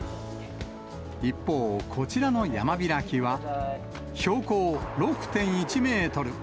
一方、こちらの山開きは、標高６．１メートル。